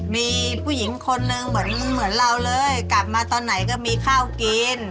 มีผู้หญิงคนนึงเหมือนเราเลยกลับมาตอนไหนก็มีข้าวกิน